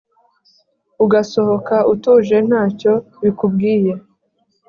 ugasohoka utuje ntacyo bikubwiye